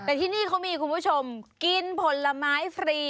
แต่ที่นี่เขามีคุณผู้ชมกินผลไม้ฟรี